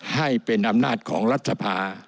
ให้เป็นอำนาจของรัฐสภา